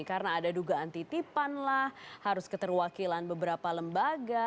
karena ada duga anti tipan lah harus keterwakilan beberapa lembaga